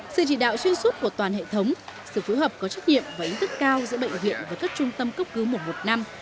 sự chỉ đạo chuyên suốt của toàn hệ thống sự phối hợp có trách nhiệm và ý thức cao giữa bệnh viện và các trung tâm cấp cứu mùa một năm